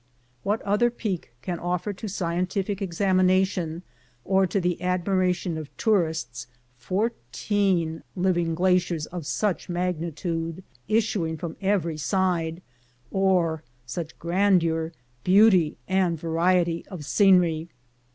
What other peak can offer to scientific examination or to the admiration of tourists fourteen living glaciers of such magnitude, issuing from every side, or such grandeur, beauty, and variety of scenery